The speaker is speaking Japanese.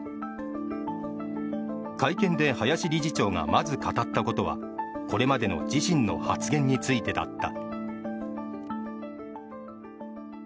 会見で林理事長がまず語ったことはこれまでの自身の発言についてだった。